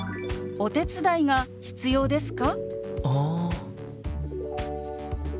お手伝いが必要ですか？